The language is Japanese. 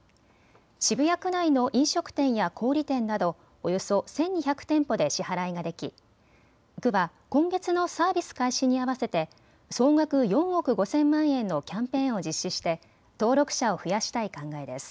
渋谷区内の飲食店や小売店などおよそ１２００店舗で支払いができ区は今月のサービス開始に合わせて総額４億５０００万円のキャンペーンを実施して登録者を増やしたい考えです。